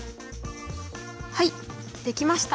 はいできました。